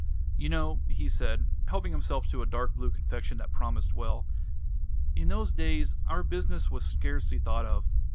"You know," he said, helping himself to a dark blue confection that promised well, "in those days our business was scarcely thought of.